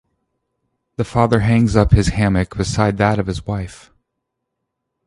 The father hangs up his hammock beside that of his wife.